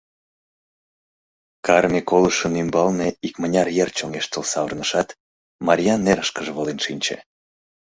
Карме «колышын» ӱмбалне икмыняр йыр чоҥештыл савырнышат, Марьян нерышкыже волен шинче.